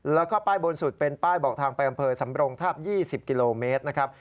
แล้วก็ป้ายบนสุดเป็นป้ายบอกทางไปอำเภอสำรงทาบ๒๐กิโลเมตรนะครับ